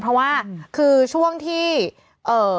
เพราะว่าคือช่วงที่เอ่อ